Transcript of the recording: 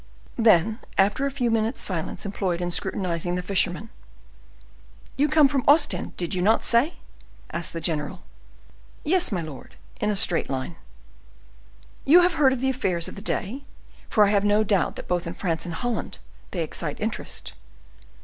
Then, after a few minutes' silence employed in scrutinizing the fisherman,—"You come from Ostend, did you not say?" asked the general. "Yes, my lord, in a straight line." "You have then heard of the affairs of the day; for I have no doubt that both in France and Holland they excite interest.